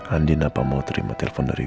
andien apa mau terima telpon dari gue